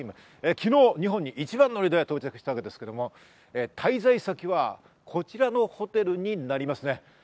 昨日、日本に一番乗りで到着したわけですけれども、滞在先は、こちらのホテルになりますね。